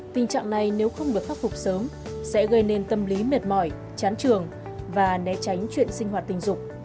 tình trạng này nếu không được khắc phục sớm sẽ gây nên tâm lý mệt mỏi chán trường và né tránh chuyện sinh hoạt tình dục